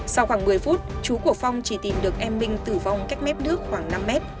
sau khoảng một mươi phút chú của phong chỉ tìm được em minh tử vong cách mép nước khoảng năm mét